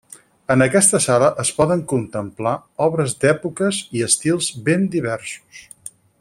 En aquesta sala es poden contemplar obres d'èpoques i estils ben diversos.